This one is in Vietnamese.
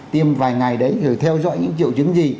tiêm vài ngày đấy rồi theo dõi những triệu chứng gì